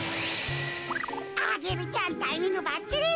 アゲルちゃんタイミングばっちり。